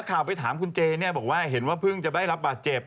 กำลังไปถามคุณเจมาว่าเห็นว่าเพิ่งจะได้รับบาตเจ็บ